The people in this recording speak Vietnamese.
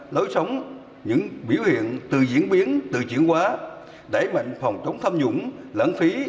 lối sống những biểu hiện từ diễn biến từ chuyển hóa đẩy mạnh phòng chống tham dũng lãng phí